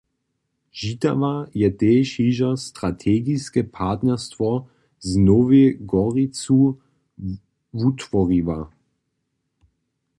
Žitawa je tež hižo strategiske partnerstwo z Novej Goricu wutworiła.